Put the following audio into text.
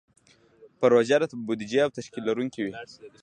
پروژه د بودیجې او تشکیل لرونکې وي.